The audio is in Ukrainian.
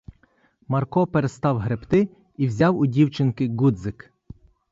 Марко перестав гребти і взяв у дівчинки ґудзик.